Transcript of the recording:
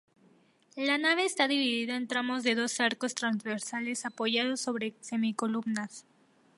La nave está dividida en tramos de dos arcos transversales apoyados sobre semicolumnas.